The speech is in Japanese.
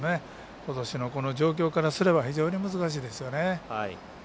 ことしの、この状況からすれば非常に難しいですよね。